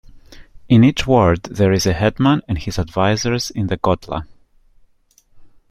In each ward there is a headman and his advisers in the kgotla.